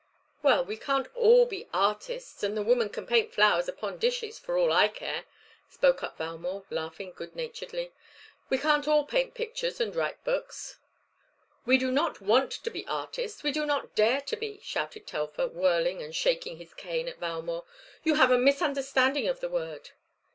"Well, we can't all be artists and the woman can paint flowers upon dishes for all I care," spoke up Valmore, laughing good naturedly. "We can't all paint pictures and write books." "We do not want to be artists we do not dare to be," shouted Telfer, whirling and shaking his cane at Valmore. "You have a misunderstanding of the word."